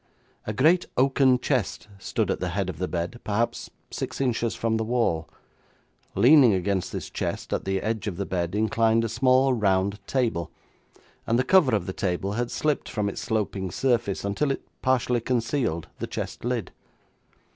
A great oaken chest stood at the head of the bed, perhaps six inches from the wall. Leaning against this chest at the edge of the bed inclined a small, round table, and the cover of the table had slipped from its sloping surface until it partly concealed the chest lid.